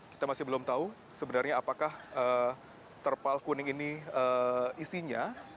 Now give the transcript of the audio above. kita masih belum tahu sebenarnya apakah terpal kuning ini isinya